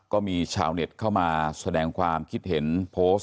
ก็มีชาวเน็ตเข้ามาแสดงความคิดเห็นโพสต์